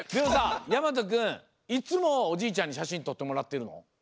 やまとくんいつもおじいちゃんにしゃしんとってもらってるの？